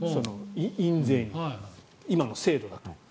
印税に、今の制度だと。